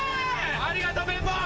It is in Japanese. ありがとうペンポン。